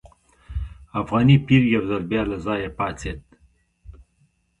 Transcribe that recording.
افغاني پیر یو ځل بیا له ځایه پاڅېد.